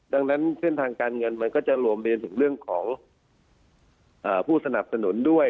ดังนั้นเส้นทางการเงินมันก็จะรวมเรียนถึงเรื่องของผู้สนับสนุนด้วย